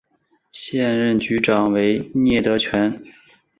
现任局长为聂德权。